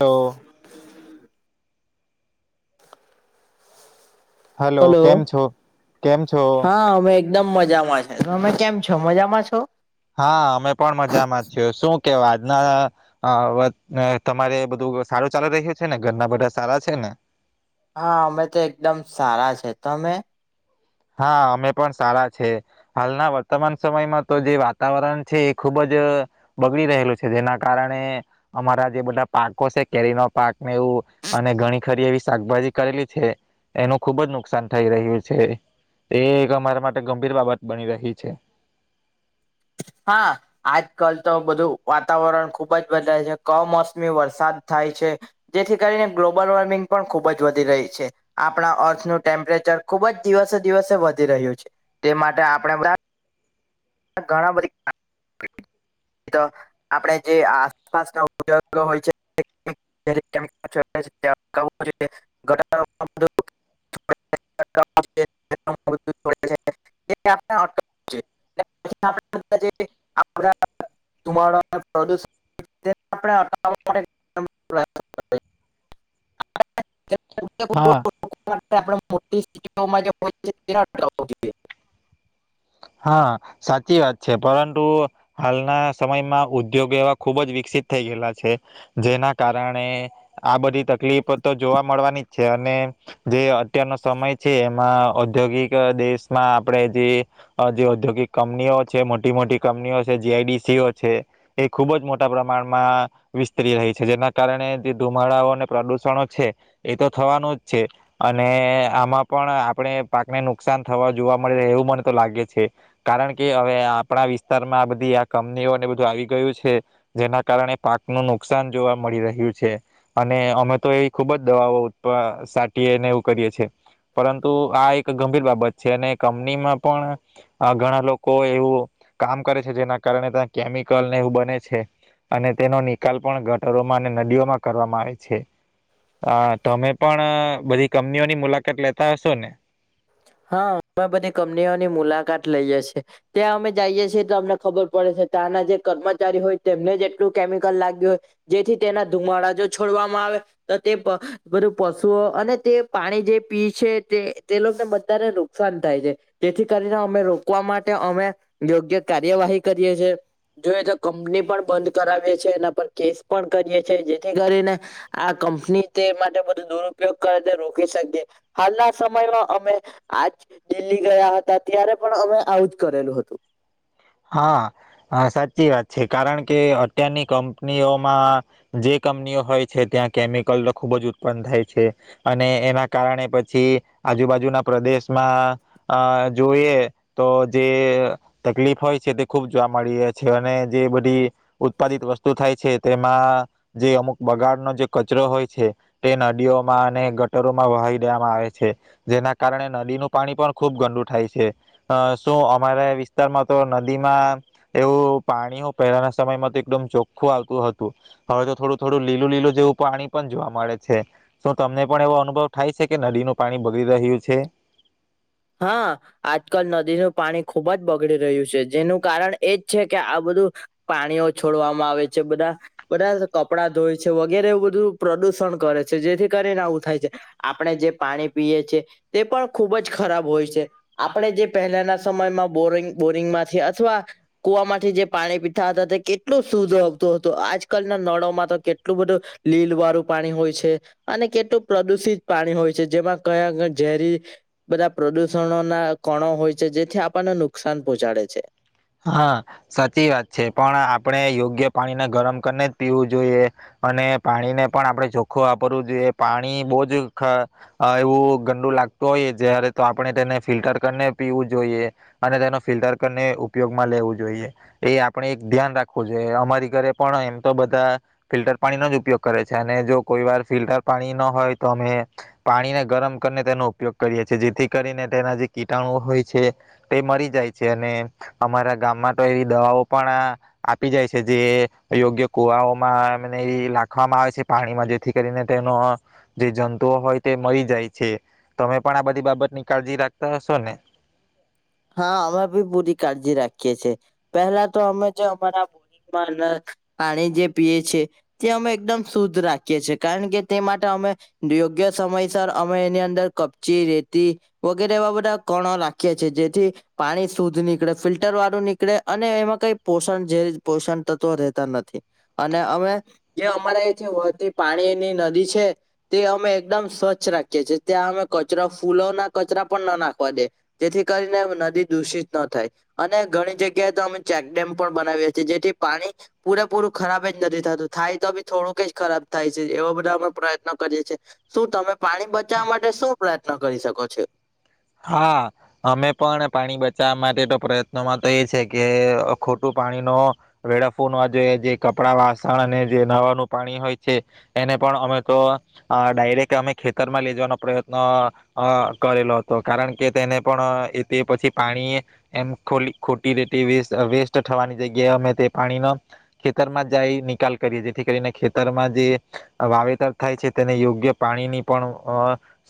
તો હલો કેમ છો કેમ છો? હા અમે એકદમ મજામાં છે, તમે કેમ છો મજામાં છો? હા અમે પણ મજામાં છે શું કે આજના અ વ તમારે બધું સારું ચાલુ રહ્યું છે ને ઘરના બધા સારા છે ને? હા અમે તો એકદમ સારા છે, તમે? હા અમે પણ સારા છે. હાલના વર્તમાન સમયમાં તો જે વાતાવરણ છે એ ખુબ જ બગડી રહેલું છે જેના કારણે અમારા જે બધા પાકો છે કેરીના પાકને એવું અને ઘણી ખરી એવી શાકભાજી કરેલી છે એનું ખુબ જ નુકસાન થઈ રહ્યું છે. એ એક અમારા માટે ગંભીર બાબત બની રહી છે. હા આજકાલ તો બધું વાતાવરણ ખુબ જ બદલા છે. કમોસમી વરસાદ થાય છે જેથી કરીને ગ્લોબલ વોર્મિંગ પણ ખૂબ જ વધી રહી છે. આપણા અર્થનું ટેમ્પરેચર ખુબ જ દિવસે દિવસે વધી રહ્યું છે. તે માટે આપણે બધા ઘણા બધી આપણે જે આસપાસ ના ઉદગ હોય છે [inaudible] [unintelligible] હા [unintelligible] [unintelligible] હા સાચી વાત છે પરંતુ હાલના સમયમાં ઉદ્યોગ એવા ખુબ જ વિકસિત થઈ ગયેલા છે જેના કારણે આ બધી તકલીફ તો જોવા મળવાની જ છે અને જે અત્યારનો સમય છે એમાં ઔદ્યોગિક દેશમાં આપણે જે જે ઔદ્યોગિક કંપનીઓ છે મોટી મોટી કંપનીઓ છે જીઆઈડીસીઓ છે એ ખૂબ જ મોટા પ્રમાણમાં વિસ્તરી રહી છે જેના કારણે જે ધુમાડાઓ અને પ્રદુષણો છે એ તો થવાનું જ છે અને આમાં પણ આપણે પાકને નુકસાન થવા જોવા મળી રહે એવું મને તો લાગે છે કારણ કે હવે આપણા વિસ્તારમાં આ બધી આ કંપનીઓને બધું આવી ગયું છે જેના કારણે પાકનું નુકસાન જોવા મળી રહ્યું છે. અને અમે તો એ ખુબ જ દવાઓ ઉત્પ સાટીએ અનેને એવું કરીએ છીએ પરંતુ આ એક ગંભીર બાબત જે અને કંપની માં પણ ઘણા લોકો એવું કામ કરે છે જેના કારણે ત્યાં કેમિકલને એવું બને છે અને તેનો નિકાલ પણ ગટરોમાં અને નદીઓમાં કરવામાં આવે છે. આ તમે પણ બધી કંપનીઓની મુલાકાત લેતા હશો ને? હા અમે બધી કંપનીઓની મુલાકાત લઈએ છીએ ત્યાં અમે જઈએ છીએ તો અમને ખબર પડે છે ત્યાંના જે કર્મચારી હોય તેમને જ એટલું કેમિકલ લાગ્યું હોય જેથી તેના ધુમાડા જો છોડવામાં આવે તો તે બધું પશુઓ અને તે પાણી જે પી છે તે તેને લોકને બ ધાને નુકસાન થાય છે જેથી કરીને અમે રોકવા માટે અમે યોગ્ય કાર્યવાહી કરીએ છેજોઈએ તો કંપની પણ બંધ કરાવીએ છે એના પર કેસ પણ કરીએ છે જેથી કરીને આ કંપની તે માટે બધ દુરપયોગ કરે રોકી શકીએ હાલના સમયમાં અમે આજ દિલ્હી ગયા હતા ત્યારે પણ અમે આવુંજ કરેલું હતું. હા સાચી વાત છે કારણ કે અત્યારની કંપનીઓમાં જે કંપનીઓ હોય છે ત્યાં કેમિકલ નો ખુબ જ ઉત્પન્ન થાય છે અને એના કારણે પછી આજુબાજુના પ્રદેશમાં જોઈએ તો જે તકલીફ હોય જે તે ખૂબ જોવા મળી છે અને જે બધી ઉત્પાદિત વસ્તુ થાય છે તેમાં જે અમુક બગાડનો જે કચરો હોય છે તે નદીઓમાં અને ગટરોમાં વહી દેવામાં આવે છે જેના કારણે નદીનું પાણી પણ ખૂબ ગંડુ થાય છે શું અમારા વિસ્તારમાં તો ન દીમાં એવું પાણી પહેલાના સમયમાં તો એકદમ ચોખ્ખું આવતું હતું હવે તો થોડું થોડું લીલું લીલું જેવું પાણી પણ જોવા મળે છે શું તમને પણ એવો અનુભવ થાય છે કે નદીનું પાણી બગડી રહ્યું છે. હા આજકાલ નદીનું પાણી ખુબ જ બગડી રહ્યું છે જેનું કારણ એજ છે કે આ બધું પાણીઓ છોડવામાં આવે છે બધા બધા કપડા ધોય છે વગેરે એવું બધું પ્રદુષણ કરે છે જેથી કરીને આવું થાય છે આપણે જે પાણી પીએ છે તે પણ ખૂબ જ ખરાબ હોય છે આપણે જે પહેલાના સમયમાં બોરિંગ બોરિંગમાંથી અથવા કુવામાંથી જે પાણી પીતા હતા તે કેટલું શુદ્ધ આવતું હતું આજકાલના નળોમાં તો કેટલું બધું લીલ વાળું પાણી હોય છે અને કેટલું પ્રદુષિત પાણી હોય છે જેમાં કયા ઝેરી બધા પ્રદુષણોના કણો હોય છે જેથી આપણને નુકસાન પહોંચાડે છે. હા સાચી વાત છે પણ આપણે યોગ્ય પાણીના ગરમ કરીને જ પીવું જોઈએ અને પાણીને પણ આપણે ચોખ્ખું વાપરવું જોઈએ પાણી બહુજ એવું ખ અવુ ગંદુ લાગતું હોય જ્યારે તો આપણે તેને ફિલ્ટર કરીને પીવું જોઈએ અને તેનો ફિલ્ટર કરીને પયોગમાં લેવું જોઈએ એ આપણે એક ધ્યાન રાખવું જોઈએ અમારી ઘરે પણ એમ તો બધા ફિલ્ટર પાણીનો જ ઉપયોગ કરે છે અને જો કોઈ વાર ફિલ્ટર પાણી ન હોય તો અમે પાણીને ગરમ કરીને તેનો ઉપયોગ કરીએ છીએ જેથી કરીને તેના જે કીટાણુ હોય છે તે મરી જાય છે અને અમારા ગામમાં તો એવી દવાઓ પણ આપી જાય છે જે યોગ્ય કુવાઓમાં એને એવી લાખવામાં આવે છે પાણીમાં જેથી કરીને તેનો જે જંતુઓ હોય તે મરી જાય છે તમે પણ આ બધી બાબતની કાળજી રાખતા હશો ને હા અમે બી પૂરી કાળજી રાખીએ છીએ પહેલા તો અમે જે અમારા બોરિંગમાં નક પાણી જે પીએ છીએ તે અમે એકદમ શુદ્ધ રાખીએ છે કારણ કે તે માટે અમે યોગ્ય સમયસર અમે એની અંદર કપચી રેતી વગેરે એવા બધા કણો રાખીએ છીએ જે થી પાણી શુદ્ધ નીકળે ફિલ્ટર વાળું નીકળે અને એમાં કઈ પોષણ જે પોષણ તત્વો રહેતા નથી અને અમે જે અમારા અઇ છે વહતી પાણીની નદી છે તે અમે એકદમ સ્વચ્છ રાખીએ છીએ ત્યાં અમે કચરો ફૂલોના કચરા પણ ના નાખવા દે જેથી કર નદી દૂષિત ન થાય અને ઘણી જગ્યાએ તો અમે ચેકડેમ પણ બનાવીએ છીએ જેથી પાણી પૂરેપૂરું ખરાબ જ નથી થતું થાય તો બી થોડુંક જ ખરાબ થાય છે એવા બધા અમે પ્રયત્ન કરીએ છીએ શું તમે પાણી બચાવવા માટે શું પ્રયત્ન કરી શકો છો હા અમે પણ પાણી બચાવવા માટે તો પ્રયત્નમાં તો એ છે કે ખોટું પાણી નો વેળફુ નવા જોઈએ જે કપડા વાસણ અને જે નાવાનું પાણી હોય છે એને પણ અમે તો ડાયરેક્ટ અમે ખેતરમાં લે જવાનો પ્રયત્ન કરેલો તો કારણ કે તેને પણ એ તે પછી પાણી એમ ખોલી ખોટી રેટી વેસ વેસ્ટ થવાની જગ્યાએ અમે તે પાણીનો ખેતરમાં જાઈ નિકાલ કરીએ જેથી કરીને ખેતરમાં જે વાવેતર થાય છે તેને યોગ્ય પાણીની પણ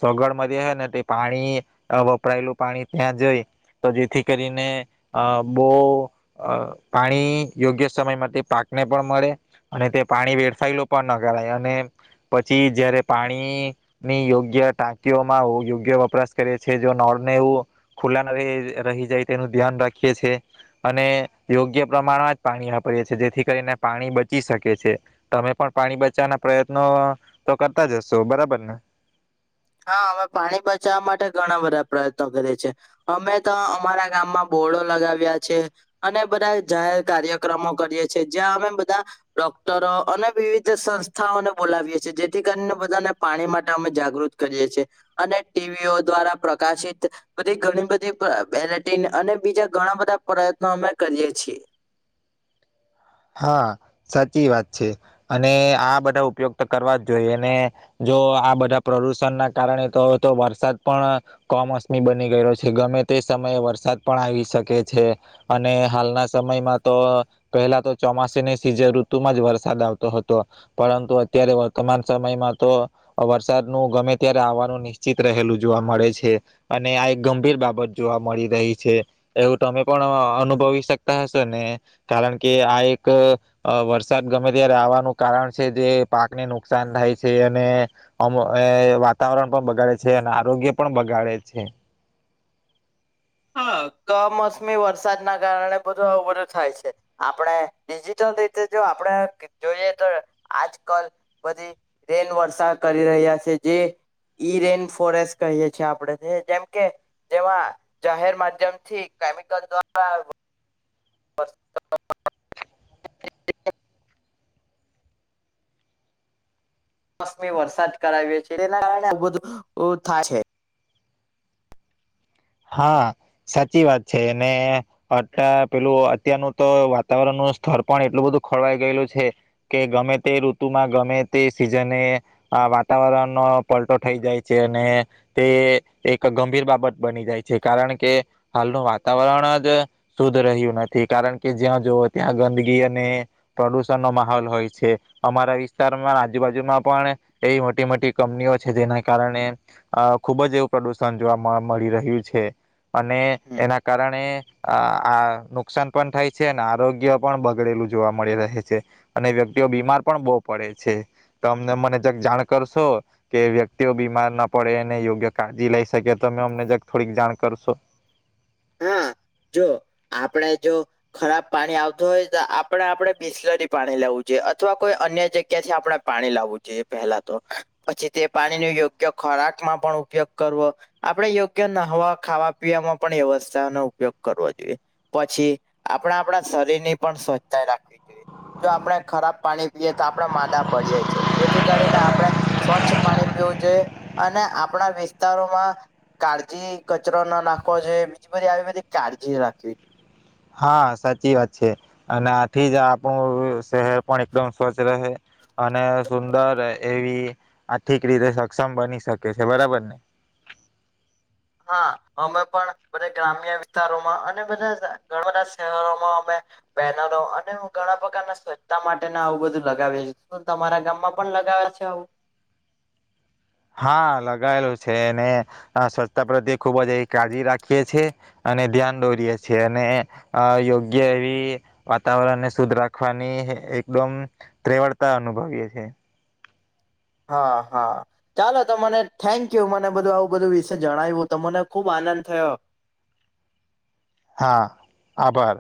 સગવડ મળી હે ને ત પાણી વપરાયેલું પાણી ત્યાં જઈ તો જેથી કરીને અ બઉ પાણી યોગ્ય સમય માટે પાકને પણ મળે અને તે પાણી વેરફાયેલું પણ ન કરાય અને પછી જયારે પાણીની યોગ્ય ટાંકીઓમાં યોગ્ય વપરાશ કરે છે જો નળને એવું ખુલ્લા ન રહી જાય તેનું ધ્યાન રાખીએ છે અને યોગ્ય પ્રમાણમાં જ પાણી વાપરીએ છીએ જેથી કરીને પાણી બચી શકે છે તમે પણ પાણી બચવાના પ્રયત્નો તો કરતા જશો બરાબર ને હા અમે પાણી બચાવવા માટે ઘણા બધા પ્રયત્નો કરીએ છે અમે તો અમારા ગામમાં બોડો લગાવ્યા છે અને બધા જાહેર કાર્યક્રમો કરીએ છે જ્યાં અમે બધા ડોક્ટરો અને વિવિધ સંસ્થાઓને બોલાવીએ છે જેથી કરીને બધાને પાણી માટે અમે જાગૃત કરીએ છીએ અને ટીવીઓ દ્વારા પ્રકાશિત બધી ઘણી બધી બેલેટીન અને બીજા ઘણા બધા પ્રયત્નો અમે કરીએ છીએ. હા સાચી વાત છે અને આ બધા ઉપયોગ તો કરવા જ જોઈએ ને જો આ બધા પ્રદુષણ ના કારણે તો તો વરસાદ પણ ક મોસમી બની ગયેલો છે ગમે તે સમયે વરસાદ પણ આવી શકે છે અને હાલના સમયમાં તો પહેલા તો ચોમાસાની સીઝન ઋતુમાં જ વરસાદ આવતો હતો પરંતુ અત્યારે વર્તમાન સમયમાં તો વરસાદનું ગમે ત્યારે આવવાનું નિશ્ચિત રહેલું જોવા મળે છે અને આ એક ગંભીર બાબત જોવા મળી રહી છે એવું તમે પણ અનુભવી શકતા હશો ને કારણ કે આ એક કરે વરસાદ ગમે ત્યારે આવાનું કારણ છે જે પાકને નુકસાન થાય છે અને અમ વાતાવરણ પણ બગાડે છે અને આરોગ્ય પણ બગાડે છે. હ કમોસમી વરસાદના કારણે બધું બધું થાય છે આપણે ડિજિટલ રીતે જો આપણે જોઈએ તો આજ કલ બધી રેલ વરસા કરી રહ્યા છે જે ઈ રેન ફોરેસ્ટ કહીય છીએ આપડે જેમકે જેવા જાહેર માધ્યમ થી કેમિકલ દ્વારા [inaudible] [inaudible] કમોસમી વરસાદ કરાવ્યો છે તેના કારણે આ બધું થા છે. હા સાચી વાત છે અત્યાર પેલું અત્યારનું તો વાતાવરણનું સ્થર પણ એટલું બધું ખોરવાઈ ગયેલું છે કે ગમે તે ઋતુમાં ગમે તે સિઝને વાતાવરણ પલટો થઇ જાય છે અને તે એક ગંભીર બાબત બની જાય. છે કારણ કે હાલનું વાતાવરણ જ શુદ્ધ રહ્યું નથી કારણ કે જ્યાં જોવે ત્યાં ગંદગી અને પ્રદુષણનો માહોલ હોય છે અમારા વિસ્તારમાં આજુબાજુમાં પણ એવી મોટી મોટી કંપનીઓ છે જેના કારણે અ ખુબ જ એવું પ્રદુષણ જોવા મળી રહ્યું છે અને છે એના કારણે આ નુકસાન પણ થાય છે અને આરોગ્ય પણ બગડેલું જોવા મળી રહે છે અને વ્યક્તિઓ બીમાર પણ બહુ પડે છે ત અમને મને જ જાણ કરશો કે વ્યક્તિઓ બીમાર ના પડે એને યોગ્ય કાળજી લઈ શકે તમે અમને જ થોડીક જાણ કરશો. હા જો આપણે જો ખરાબ પાણી આવતું હોય તો આપડા આપડે બિસ્લરી પાણી લેવું જોઈએ અથવા કોઈ અન્ય જગ્યાથી આપડા પાણી લાવવું જોઈએ પહેલા તો પછી તે પાણી નુ યોગ્ય ખોરાકમાં પણ ઉપયોગ કરવો આપડે યોગ્ય નહાવા ખાવા પીવાવામાં પણ વ્યવસ સ્થાનો ઉપયોગ કરવો જોઈએ પછી આપડે આપડા શરીરની પણ સ્વચ્છતા રાખવી જોઈએ જો આપણે ખરાબ પાણી પીએ તો આપણેે માદા પડીયે છે જેથી કરીને આપણે સ્વચ્છ પાણી પીવું જોઈએ અને આપણા વિસ્તારોમાં કાળજી કચરો ન નાખવો જોઈએ. એ બધી આવી બધી કાળજી રાખવી જોઈએ. હા સાચી વાત છે અને આથી જ આપણું શહેર પણ એકદમ સ્વચ્છ રહે અને સુંદર એવી આર્થિક રીતે સક્ષમ બની શકે છે બરાબર ને. હા અમે પણ બધા ગ્રામ્ય વિસ્તારોમાં અને બધા ઘણા બધા શહેરોમાં અમે બેનરો અને ઘણા પ્રકારના સ્વચ્છતા માટે આવું બધું લગાવીએ તમારા ગામમાં પણ લગાવે છે આવું? હા લગાયેલું છે અને સ્વચ્છતા પ્રત્યે ખુબ જ એ કાળજી રાખીએ છીએ અને ધ્યાન દોરીએ છીએ ને યોગ્ય એવી વાતાવરણને શુદ્ધ રાખવાની એકદમ ત્રેવડતા અનુભવીએ છે. હા હા ચાલો તો મને થેન્ક યુ મને બધું આવું બધું વિશે જણાવ્યું તો મને ખુબ આનંદ થયો. હા, આભાર.